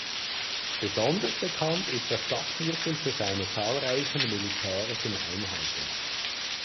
Besonders bekannt ist das Stadtviertel für seine zahlreichen militärischen Einheiten.